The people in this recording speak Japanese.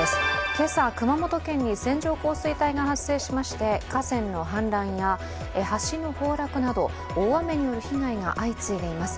今朝、熊本県に線状降水帯が発生しまして河川の氾濫や、橋の崩落など、大雨による被害が相次いでいます。